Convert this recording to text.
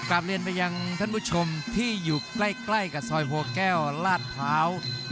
กลับเรียนไปอย่างท่านผู้ชมที่อยู่ใกล้กับซอยภูเข้าลาดเผา๑๐๑